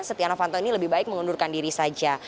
setia novanto ini lebih baik mengundurkan diri saja